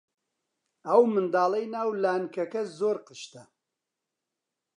ئەو منداڵەی ناو لانکەکە زۆر قشتە.